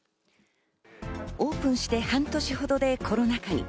オープンして半年ほどでコロナ禍に。